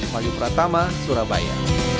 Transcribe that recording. maju pratama surabaya